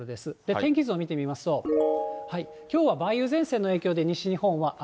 天気図を見てみますと、きょうは梅雨前線の影響で、西日本は雨。